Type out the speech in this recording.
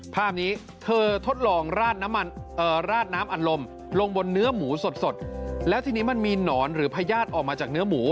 ภาพนี้เธอทดลองราดน้ำมันราดน้ำอัดลมลงบนเนื้อหมูสดแล้วทีนี้มันมีหนอนหรือพญาติออกมาจากเนื้อหมู